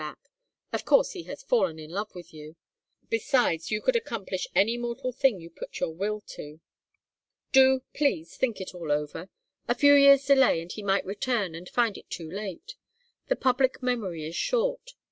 Of course he has fallen in love with you. Besides, you could accomplish any mortal thing you put your will to. Do, please, think it all over. A few years' delay, and he might return and find it too late. The public memory is short.